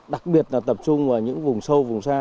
đặc biệt là tập trung vào những vùng sâu vùng xa